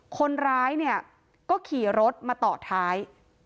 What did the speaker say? คนร้ายเนี่ยก็ขี่รถมาต่อท้าย